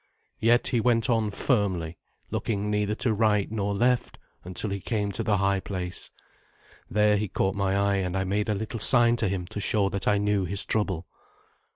Yet he went on firmly, looking neither to right nor left, until he came to the high place. There he caught my eye, and I made a little sign to him to show that I knew his trouble.